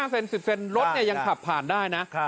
๕เซนติเมตร๑๐เซนติเมตรรถยังขับผ่านได้นะ